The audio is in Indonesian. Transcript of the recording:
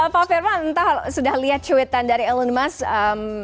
pak firman entah sudah lihat cuitan dari elon musk